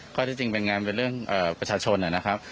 ข้อที่จริงเป็นงานเป็นเรื่องประชาชนนะครับ